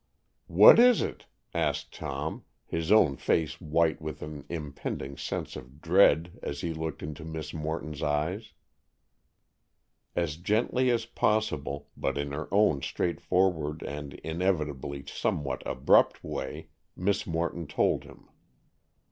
"What is it?" asked Tom, his own face white with an impending sense of dread as he looked into Miss Morton's eyes. As gently as possible, but in her own straightforward and inevitably somewhat abrupt way, Miss Morton told him.